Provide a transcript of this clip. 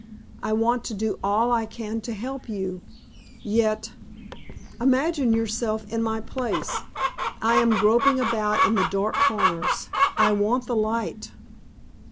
I want to do all I can to help you yet imagine yourself in my place! I am groping about in the dark corners, I want the light."